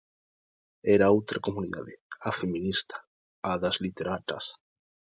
Era outra comunidade, a feminista, a das literatas.